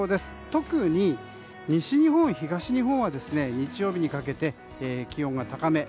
特に西日本、東日本は日曜日にかけて気温が高め。